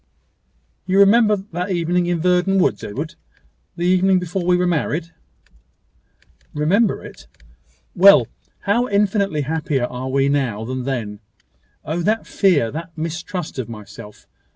"You remember that evening in Verdon woods, Edward the evening before we were married?" "Remember it!" "Well. How infinitely happier are we now than then! Oh! that fear that mistrust of myself!